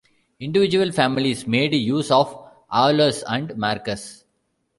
Individual families made use of "Aulus" and "Marcus".